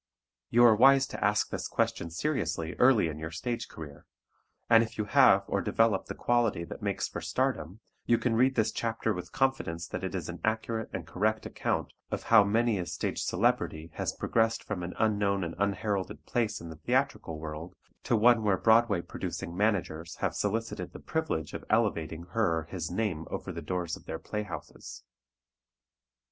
You are wise to ask this question seriously early in your stage career, and if you have or develop the quality that makes for stardom you can read this chapter with confidence that it is an accurate and correct account of how many a stage celebrity has progressed from an unknown and unheralded place in the theatrical world, to one where Broadway producing managers have solicited the privilege of elevating her or his name over the doors of their playhouses.